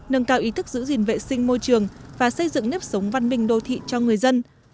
nâng cao ý thức giữ gìn vệ sinh môi trường và xây dựng nếp sống văn minh đô thị cho người dân